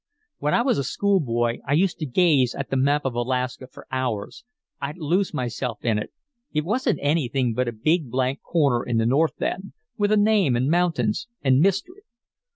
"When I was a school boy, I used to gaze at the map of Alaska for hours. I'd lose myself in it. It wasn't anything but a big, blank corner in the North then, with a name, and mountains, and mystery.